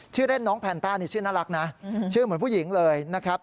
ชื่อเล่นน้องแพนต้านี่ชื่อน่ารักนะชื่อเหมือนผู้หญิงเลยนะครับ